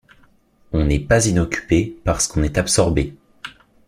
On n’est pas inoccupé parce qu’on est absorbé.